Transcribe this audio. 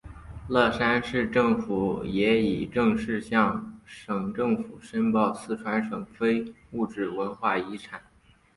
乐山市政府也已正式向省政府申报四川省非物质文化遗产。